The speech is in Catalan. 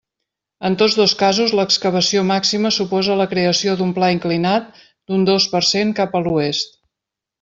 En tots dos casos, l'excavació màxima suposa la creació d'un pla inclinat d'un dos per cent cap a l'oest.